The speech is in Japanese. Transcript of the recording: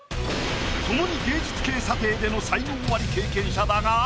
ともに芸術系査定での才能アリ経験者だが。